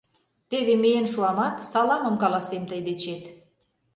Теве миен шуамат, саламым каласем тый дечет...